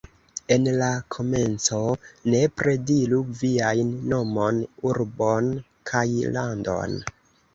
En la komenco, nepre diru viajn nomon, urbon kaj landon.